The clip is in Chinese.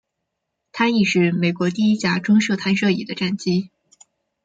它亦是美国第一架装设弹射椅的战机。